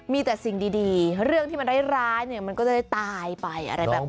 มีแต่สิ่งดีเพราะเรื่องที่มันร้ายมันก็จะตายไปอะไรแบบนี้